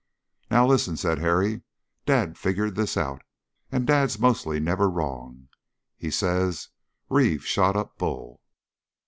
"Now, listen!" said Harry. "Dad figured this out, and Dad's mostly never wrong. He says, 'Reeve shot up Bull.